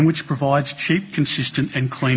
dan yang memberikan kekuatan yang murah konsisten dan bersih